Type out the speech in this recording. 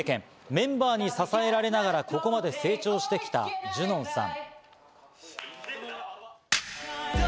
メンバーに支えられながらここまで成長してきたジュノンさん。